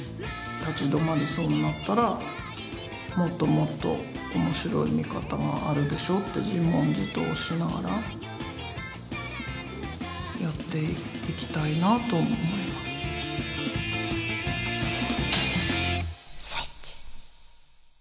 立ち止まりそうになったらもっともっと面白い見方があるでしょ？って自問自答しながらやっていきたいなと思います。